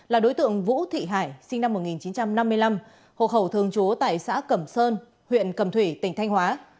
là đối tượng vũ thị hải sinh năm một nghìn chín trăm năm mươi năm hộ khẩu thường trú tại xã cẩm sơn huyện cẩm thủy tỉnh thanh hóa